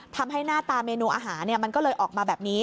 หน้าตาเมนูอาหารมันก็เลยออกมาแบบนี้